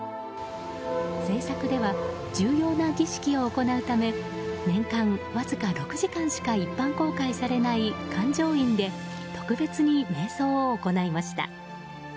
制作では重要な儀式を行うため、年間わずか６時間しか一般公開されない灌頂院で特別に瞑想を行いました。